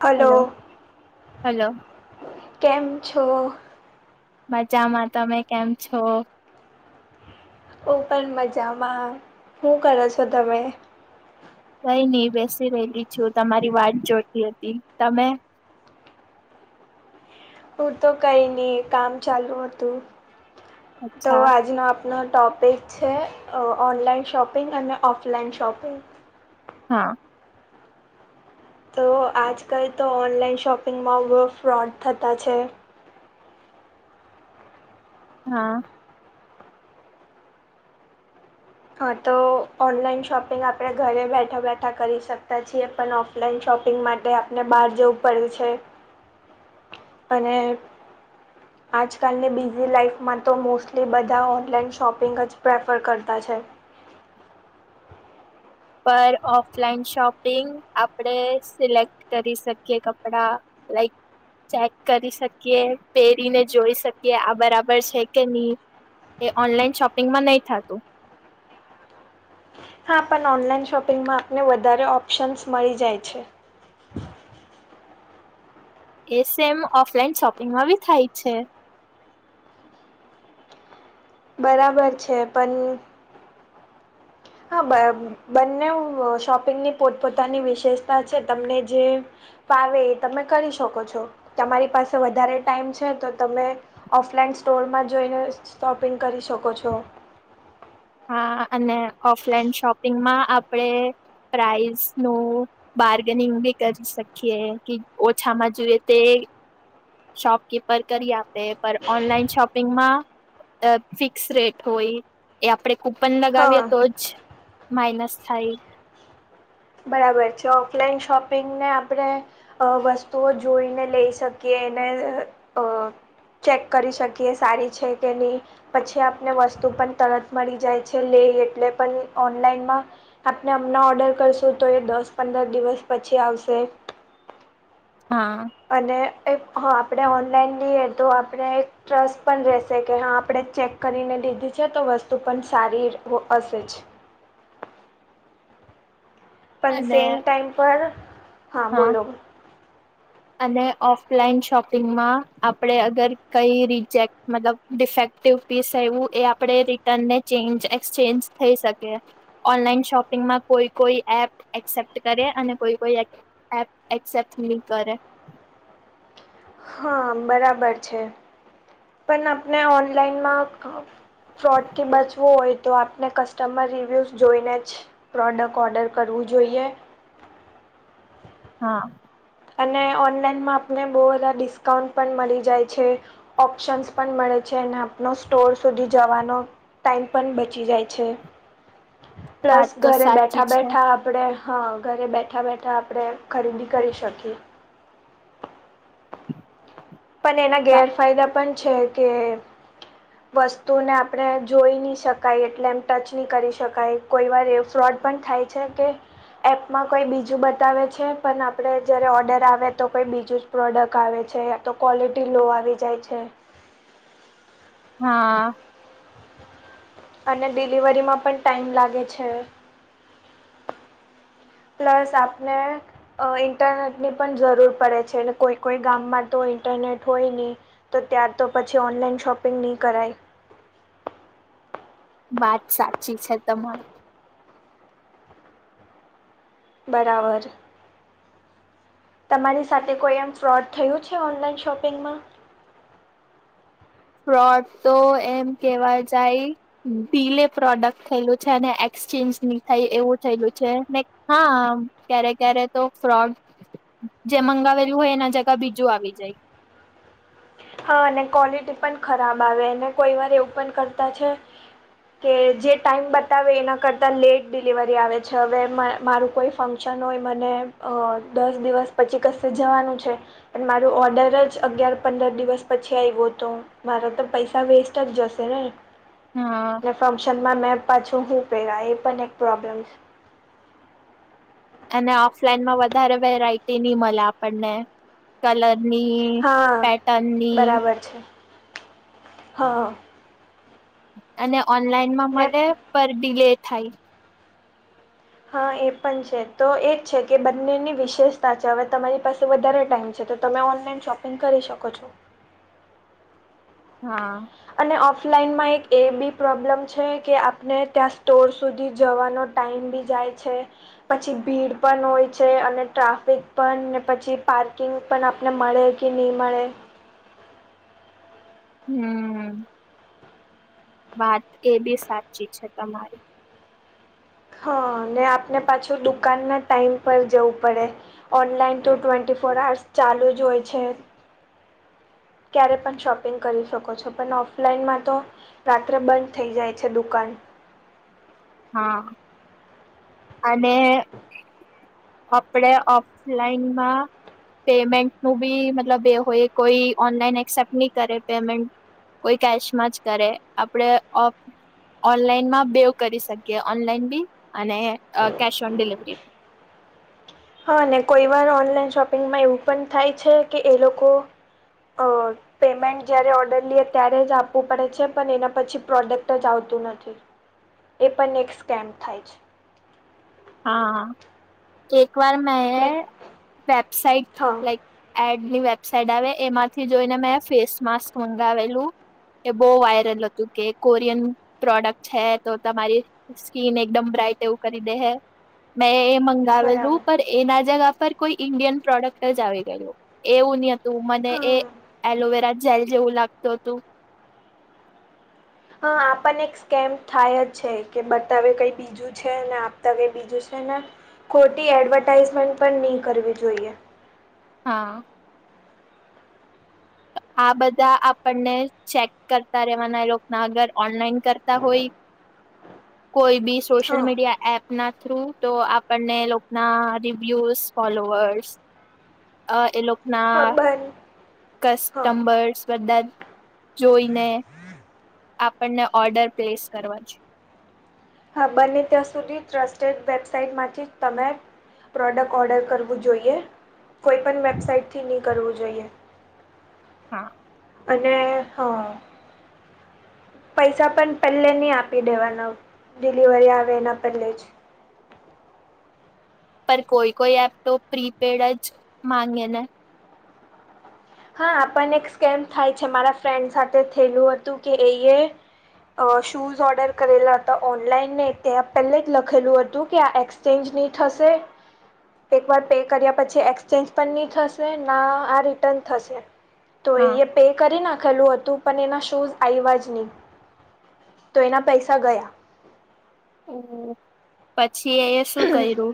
Hello, hello કેમ છો? મજામાં તમે કેમ છો? ઓ પન મજામાં, હું કરો છો તમે? કઈ નઈ બેસી રહેલી છું તમારી વાટ જોતી હતી તમે. હું તો કઈ નહી કામ ચાલુ હતું તો અચ્છા આજનો આપ પણો ટોપિક છે, અ ઓનલાઈન શોપિંગ અને ઓફલાઈન શોપિંગ. હા. તો આજકાલ તો ઓનલાઈન શોપિંગમાં બહુ ફ્રોડ થતા છે. હા. હ તો ઓનલાઈન શોપિંગ આપણે ઘરે બેઠા બેઠા કરી શકતા છીએ પણ ઓફ ફલાઈન શોપિંગ માટે આપને બહાર જવું પડે છે. અને આજકાલની બિઝી લાાઈફમાં તો મોસ્ટલી બધા ઓનલાઈન શોપિંગ જ પ્રેફર કરતા છે. પર ઓફલાઈન શોપિંગ આપડે સિલેક્ટ કરી શકીએ કપડા લાઈક ચેક કરી શકીએ પહેરીને જોઈ શકીએ આ બરાબર છે કે નહી. એ ઓનલાઈન શોપિંગમાં નહી થાતું. હા પન ઓનલાઈન શોપિંગમાં આપને વધારે ઓપ્શન્સ મળી જાય છે. એ સેમ ઓફલાઈન શોપિંગમાં બી થાય છે. બરાબર છે પન હા બ બંનેઉ શોપિંગની પોતપોતાની વિશેષતા છે તમને જે ફાવે એ તમે કરી શકો છો તમારી પાસે વધારે ટાઈમ છે તો તમે ઓફલાઈન સ્ટોરમાં જોઈને શોપિંગ કરી શકો છો. હા અને ઓફલાઈન શોપિંગમાં આપડે પ્રાઇસ નું બાર્ગેનિંગ બી કરી શકીએ કે ઓછામાં જોઈએ તે શોપકીપર કરી આપે પણ ઓનલાઈન શોપ પિંગમા અ ફિક્સ રેટ હોય એ આપણેે કૂપન લગાવીએ હા તો જ માઇનસ થાય. બરાબર છે ઓફલાઈન શોપિંગને આપણે અ વસ્તુઓ જોઈને લઈ શકીએ એને અ ચેક કરી શકીએ સારી છે કે નહીં પછી આપને વસ્તુ પણ તરત મળી જાય છે લે એટલે પણ ઓનલાઈનમાં આપને હમના ઓર્ડર કરશું તો એ દસ પંદર દિવસ પછી આવશે. હા. અને એક હ આપણે ઓનલાઈન લઈએ તો આપણે ટ્રસ્ટ પણ રહેશે કે હા આપણે ચેક કરીને લીધી છે તો વસ્તુ પણ સારી હો હશે જ. પન અને સેમ ટાઈમ પર હા બોલો. અને ઓફલાઈન શોપિંગમાં આપણેે અગર કઈ રિજેક્ટ મતલબ ડિફેક્ટિવ પીસ એવું એ આપણે રિટર્નને ચેજ એક્સચેન્જ થઈ શકે. ઓનલાઈન શોપિંગમાં કોઈ કોઈ એપ એક્સેપ્ટ કરે અને કોઈ કોઈ એક એપ એક્સેપ્ટ નહી કરે. હા બરાબર છે પન આપને ઓનલાઈનમાં ફ્રોડ થી બચવું હોય તો આપને કસ્ટમર રિવ્યૂઝ જોઈને જ પ્રોડક્ટ ઓર્ડર કરવું જોઈએ. હા. અને ઓનલાઈનમાં આપને બહુ બધા ડિસ્કાઉન્ટ પન મલી જાય છે. ઓપ્શન્સ પણ મળે છે એને આપનો સ્ટોર સુધી જવાનો ટાઈમ પન બચી જાય છે વાત પ્લસ તો ઘરે સાચી બેઠા છે બેઠા આપણે હા ઘરે બેઠા બેઠા આપણે ખરીદી કરી શકીએ. પન એના ગેરફાયદા પણ છે કે વસ્તુને આપણે જોઈ નહી શકાય એટલે એમ ટચ નહી કરી શકાય કોઈ વાર એવ ફ્રોડ પણ થાય છે કે એપમાં કઈ બીજું બતાવે છે, પણ આપણે જ્યારે ઓર્ડર આવે તો કઈ બીજુંજ પ્રોડક્ટ આવે છે, યાતો ક્વૉલિટી લો આવી જાય છે. હા. અને ડિલિવરીમાં પણ ટાઈમ લાગે છે. પ્લાસ આપને અ ઇન્ટરનેટની પણ જરૂર પડે છે, ને કોઈ કોઈ ગામમાં તો ઇન્ટરનેટ હોય નહી. તો ત્યારતો પછી ઓનલાઈન શોપિંગ ની કરાય. બાત સાચી છે તમારી. બરાબર. તમારી સાથે કોઈ એમ ફ્રોડ થયું છે ઓનલાઈન શોપિંગમાં? ફ્રોડ તો એમ કેવા જાય ડીલે પ્રોડક્ટ થયેલું છે, અને એક્સચેન્જ ની થાય એવું થયેલું છે, ને હા, ક્યારે ક્યારે તો ફ્રોડ જે મંગાવેલું હોય એના જગા બીજું આવી જાય. હા અને ક્વોલિટી પણ ખરાબ આવે, અને કોઈ વાર એવું પણ કરતા છે. કે જે ટાઈમ બતાવે એના કરતા લેટ ડિલિવરી આવે છે, હવે મા મારું કોઈ ફન શન હોય, મને અ દસ દિવસ પછી કસે જવાનું છે. અન મારું ઓર્ડરજ અગિયાર, પંદર દિવ સ પછી આવ્યો તો, મારો તો પૈસા વેસ્ટજ જશે ને. હા. ને ફંક્શન માં મેં પાછું હું પહેરા? એ પણ એક પ્રોબ્લેમ છે. અને ઓફલાઈનમાં વધારે વેરાયટી ની મળે આપણને, કલરની હા, પેટર્નની બરાબર છે, હા. અને ઓનલાઈન માં ને મળે, પણ ડીલે થાય. હા, એ પણ છે, તો એ જ છે, કે બંનેની વિશેષતા છે, હવે તમારી પાસે વધારે ટાઈમ છે તો. તમે ઓનલાઈન શોપિંગ કરી શકો છો. હા. અને ઓફલાઈનમાં એક એ બી પ્રોબ્લમ છે, કે આપને ત્યાં સ્ટોર સુધી જવાનો ટાાઈમ બી જાય છે. પછી ભીડ પણ હોય છે, અને ટ્રાફિક પણ, ને પછી પાર્કિંગ પણ આપને મળે કે નહીં મળે. હમ્મ. બાત એ બી સાચી છે તમારી. હા, ને આપને પાછું દુકાન ના ટાઈમ પર જવું પડે. ઓનલાઈન તો ટ્વેન્ટી ફોર આર્સ ચાલુ જ હોય છે. ક્યારે પણ શોપિંગ કરી શકો છો, પણ ઓફલાઈનમાં તો રાત્રે બંધ થઈ જાય છે દુકાન. હા. અને અપડે ઓફલાઈનમાં પેમેન્ટ નું બી મતલબ એ હોય, કોઈ ઓનલાઈન એક્સેપ્ટ ની કરે પેમેન્ટ. કોઈ કેશમાં જ કરે, આપડે ઓફ ઓનલાઈન માં બેઉ કરી શકીએ, ઓનલાઈન બી અને અ કેશ ઓન ડિલિવરી બી. હા, અને કોઈ વાર ઓનલાઈન શોપિંગમાં એવું પણ થાય છે, કે એ લોકો અ પેમેન્ટ જય્યારે ઓર્ડર લીએ ત્યારે જ આપવું પડે છે, પણ એના પછી પ્રોડક્ટ જ આવતું નથી. એ પણ એક સ્કેમ્ થાય છે. હા, એક વાર ને મેં વેબસાઇટ હા લાઈક એડની વેબસાઈટ આવે, એમાંથી જોઈને મેં ફેસ માસ્ક મંગાવેલું. એ બહુ વાયરલ હતું, કે કોરિયન પ્રોડક્ટ છે, તો તમારી સ્કીન એકદમ બ્રાઈટ એવું કરી દે હે મેં એ મંગાવેલું બરાબર પર એના જગા પર કોઈ ઈન્ડિયન પ્રોડક્ટ જ આવી ગયું એવું ની હતું મને હા એ એલોવેરા જેલ જેવું લાગતું હતું. હા આપણ એક સ્કેમ થાય જ છે કે બતાવે કઈ બી જું છે ને આપતા કે બીજું છે ને ખોટી એડવર્ટાાઈઝમેન્ટ પણ નહીં કરવી જોઈએ. હા. આ બધા આપણને ચેક કરતા રેવાના એ લોકો ના અગર ઓનલાઈન કરતા હોય. [inaudible] કોઈ બી સોશિયલ હા મીડિયા એપ ના થ્રુ તો આપણને લોકો ના રિવ્યુઝ ફોલોવર્સ અ એ લોકો ખબર. કસ્ટમર્સ બધા જોઈને આપણને ઓર્ડર પ્લેસ કરવા [unintelligible] હા બને ત્યાં સુધી ટ્રસ્ટેડ વેબસાાઈટમાંથી જ તમે પ્રોડક્ટ ઓર્ડર કરવું જોઈએ કોઈ પણ વેબસાઇટ થી ની કરવું જોઈએ. હા. અને હ પૈસા પણ પેલે ની આપી દેવાના ડિલિવરી આવે એના પેલે જ પર કોઈ કોઈ એપ તો પ્રીપેડ જ માંગે ને હા પણ એક સ્કેમ થાય છે મારા ફ્રેન્ડ સાથે થેલું હતું કે એયે અ શૂઝ ઓર્ડર કરેલા હતા ઓનલાઈન ને ત્યાં પહેલે જ લખેલું હતું કે આ એક્સ ચેન્જ ની થશે. એક વાર પે કર્યા પછી એક્સચેન્જ પણ ની થશે ના આ રિટર્ન થશે તો હા એયે પે કરી નાખેલું હતું પણ એના શૂઝ આયવા જ ની. તો એના પૈસા ગયા. પછી એયે શું કરયુ?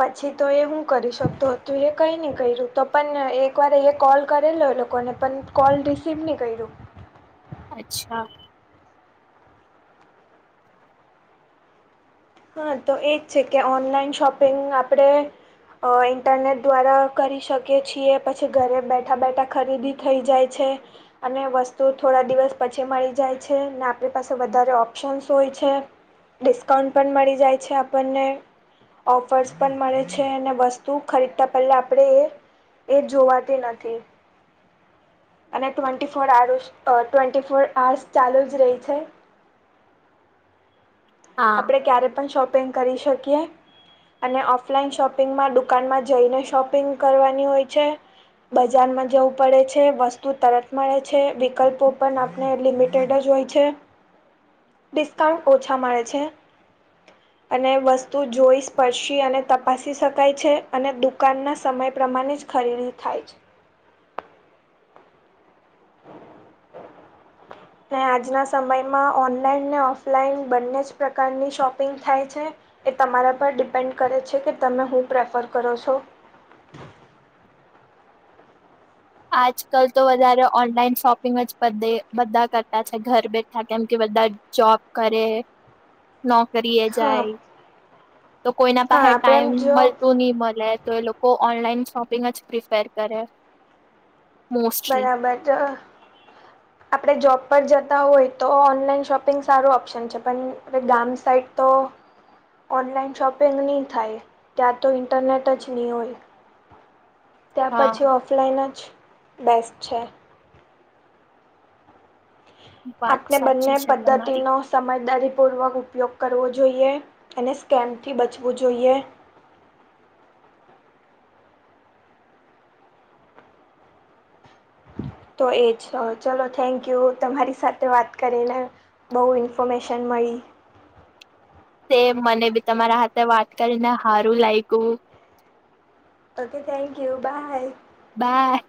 પછી તો એ હું કરી શકતો હતો એ કઈ નહી કર્યું તો પણ એક વાર એ કોલ કરેલો લોકોને પણ કોલ રિસીવ ની કર્યું. અચ્છા. હા તો એ જ છે કે ઓનલાઈન શોપિંગ આપણે અ ઇન્ટરનેટ દ્વારા કરી શકીએ છીએ પછી ઘરે બેઠા બેઠા ખરીદી થઈ જાય છે. અને વસ્તુ થોડા દિવસ પછી મળી જાય છે ને આપણી પાસે વધારે ઓપ્શન્સ હોય છે. ડિસ્કાઉન્ટ પણ મળી જાય છે આપણને ઓફર્સ પણ મળે છે અને વસ્તુ ખરીદતા પહેલા આપણે એ એ જોવાતી નથી. અને twenty four hours twenty four hours ચાલુ જ રહે છે. હા આપણે ક્યારે પણ શોપિંગ કરી શકીએ. અને ઓફલાઈન શોપિંગમાં દુકાનમાં જઈને શોપિંગ કરવાની હોય છે. બજારમાં જવું પડે છે વસ્તુ તરત મળે છે વિકલ્પો પણ ને લિમિટેડ જ હોય છે ડિસ્કાઉન્ટ ઓછા મળે છે. અને વસ્તુ જોઈ સ્પર્શી અને તપાસી શકાય છે અને દુ કાનના સમય પ્રમાણે જ ખરીદી થાય છે. ને આજના સમયમાં ઓનલાઈન ને ઓફલાઈન બંને જ પ્રકારની શોપિંગ થાય છે. એ તમારા પર ડિપેન્ડ કરે છે કે તમે હું પ્રેફર કરો છો. આજકાલ તો વધારે ઓનલાઈન શોપિંગ જ બધે બધા કરતા છે ઘર બેઠા કેમ કે બધા જોબ કરે નો કરીએ હા જાય તો કોઈના હા પાહે આપણે ટાઈમ એમ જો મળતું ની મલે તો એ લોકો ઓનલાઈન શોપિંગ જ પ્રિફેર કરે. મોસ્ટલી બરાબર જો આપડે જોબ પર જતા હોય તો ઓનલાઈન શોપિંગ સારું ઓપ્શન છે પણ ગામ સાઈડ તો ઓનલાઈન શોપિંગ ની થાય ત્યાં તો ઇન્ટરનેટ જ ની હોય. ત્યા હા પછી ઓફલાઈન જ બેસ્ટ છે. વાત આપને બંને સાચી છે તમારી પદ્ધતિનો સમજદારીપૂર્વક ઉપયોગ કરવો જોઈએ અને સ્કેમથી બચવું જોઈએ. તો એજ અ ચલો થેન્કયુ તમારી સાથે વાત કરીને બહુ ઇન્ફોમેશન મળી. તે મને બી તમારા હાથે વાત કરીને હારું લાયગું. Okay thank you bye. બાાય.